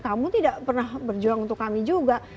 kamu tidak pernah berjuang untuk kami juga